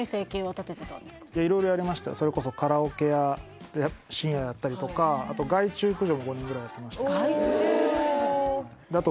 もちろん色々やりましたそれこそカラオケ屋深夜やったりとかあと害虫駆除も５年ぐらいやってました